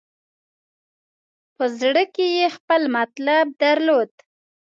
په زړه کې یې خپل مطلب درلود.